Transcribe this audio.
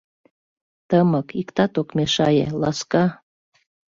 Тымык, иктат ок мешае, ласка.